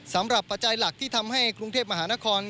ปัจจัยหลักที่ทำให้กรุงเทพมหานคร